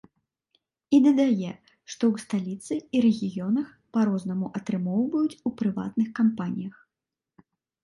І дадае, што ў сталіцы і рэгіёнах па рознаму атрымоўваюць у прыватных кампаніях.